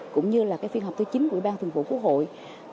cũng như phiên họp thứ chín của ủy ban thường vụ quốc hội